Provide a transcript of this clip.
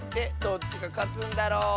どっちがかつんだろ？